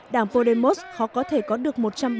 đảng podemos khó có thể có được